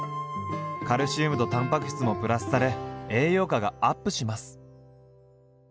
カルシウムとたんぱく質もプラスされ栄養価がアップします。